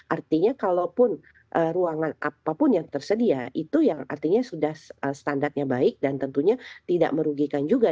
artinya kalaupun ruangan apapun yang tersedia itu yang artinya sudah standarnya baik dan tentunya tidak merugikan juga